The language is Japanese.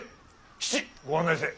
七ご案内せえ。